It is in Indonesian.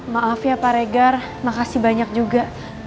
maaf ya paregar makasih banyak juga